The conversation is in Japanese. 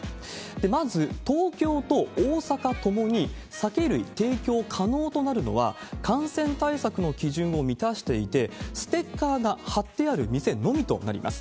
まず、東京と大阪ともに酒類提供可能となるのは、感染対策の基準を満たしていて、ステッカーが貼ってある店のみとなります。